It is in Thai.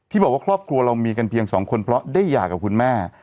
ที่บอกว่าครอบครัวเรามีกันเพียงสองคนพอได้ยาวินกับคุณแม่